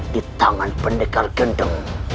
di tangan pendekar gendeng